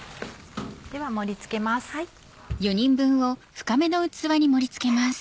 では盛り付けます。